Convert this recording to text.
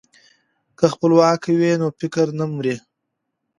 که خپلواکي وي نو فکر نه مري.